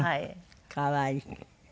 可愛い。